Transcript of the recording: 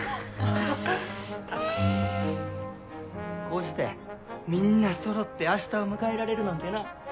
こうしてみんなそろって明日を迎えられるなんてな。